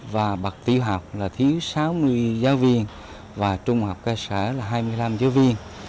và bậc tiểu học là thiếu sáu mươi giáo viên và trung học cơ sở là hai mươi năm giáo viên